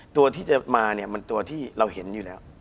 ตัวที่จะมาเนี่ยมันตัวที่เราเห็นอยู่แล้ว